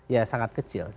ya sangat kecil